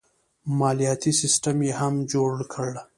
مالیاتي سیستم یې هم جوړ کړ.